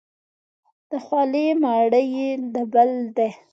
د خولې مړی یې د بل دی.